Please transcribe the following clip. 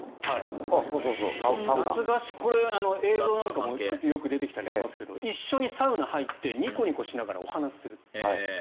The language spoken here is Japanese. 夏合宿これは映像なんかでもよく出てきたりしますが一緒にサウナに入ってニコニコしながらお話しすると。